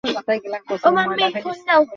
তবুও কি তোমরা সাবধান হবে না?